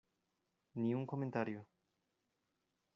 ni un comentario.